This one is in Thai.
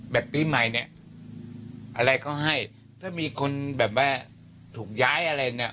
ปีใหม่เนี่ยอะไรเขาให้ถ้ามีคนแบบว่าถูกย้ายอะไรเนี่ย